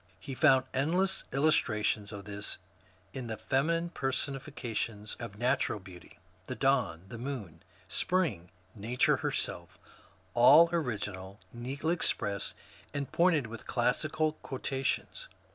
He found endless illustrations of this in the feminine person ifications of natural beauty, — the Dawn, the Moon, Spring, Nature herself, — all original, neatly expressed, and pointed with classical quotations.